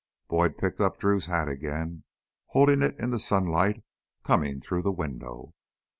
Boyd picked up Drew's hat again, holding it in the sunlight coming through the window.